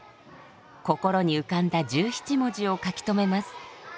心に浮かんだ十七文字を書き留めます。